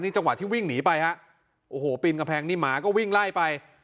จังหวะที่วิ่งหนีไปฮะโอ้โหปีนกำแพงนี่หมาก็วิ่งไล่ไป